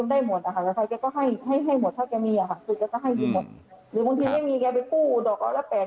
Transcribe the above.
คือแกเป็นคนใจดีคือแกก็ให้ยืมได้หมดนะคะแล้วแกก็ให้หมดถ้าแกมีค่ะ